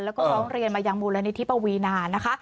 แล้วก็ร้องเรียนมายังมูลนิธิปวีนานะคะ